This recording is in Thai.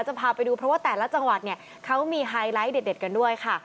จะพาไปดูเพราะว่าแต่ละจังหวัดเนี่ยเขามีไฮไลท์เด็ดกันด้วยค่ะ